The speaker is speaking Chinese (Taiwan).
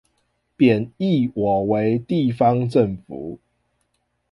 貶抑我為地方放府